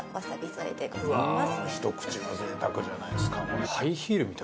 ひと口がぜいたくじゃないですかこれ。